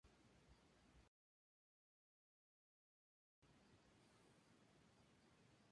Ha dejado igualmente su nombre a una escuela: Adrien Lachenal.